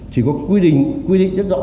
chỉ có quy định rất rõ